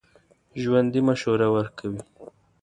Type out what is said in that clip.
ژوندي مشوره ورکوي